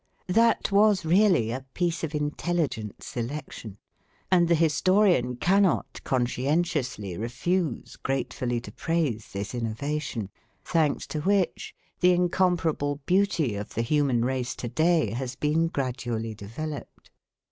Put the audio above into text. That was really a piece of intelligent selection; and the historian cannot conscientiously refuse gratefully to praise this innovation, thanks to which the incomparable beauty of the human race to day has been gradually developed.